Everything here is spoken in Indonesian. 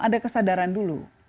ada kesadaran dulu